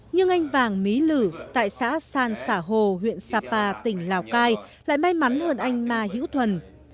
nhưng anh vàng mí lử tại xã san xả hồ huyện sapa tỉnh lào cai lại may mắn hơn anh ma hữu thuần